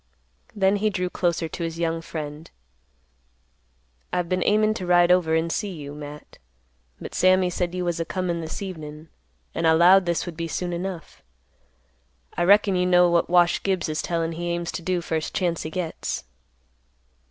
Then he drew closer to his young friend; "I've been aimin' to ride over and see you, Matt; but Sammy said you was a comin' this evenin', and I 'lowed this would be soon enough. I reckon you know what Wash Gibbs is tellin' he aims to do first chance he gets."